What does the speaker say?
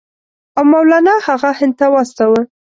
او مولنا هغه هند ته واستاوه.